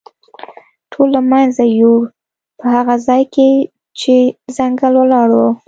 ټول له منځه یووړ، په هغه ځای کې چې ځنګل ولاړ و.